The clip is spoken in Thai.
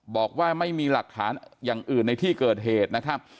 บอกว่าไม่มีหลักฐานอย่างอื่นในที่เกิดเหตุนะครับ